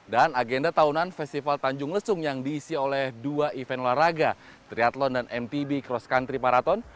dan agenda tahunan festival tanjung lesung yang diisi oleh dua event olahraga triathlon dan mpb cross country marathon